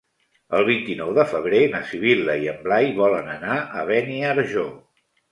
El vint-i-nou de febrer na Sibil·la i en Blai volen anar a Beniarjó.